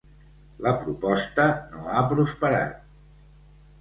La proposta no ha prosperat.